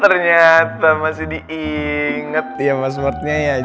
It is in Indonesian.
ternyata masih diinget ya passwordnya ya